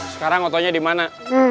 sekarang otoynya dimana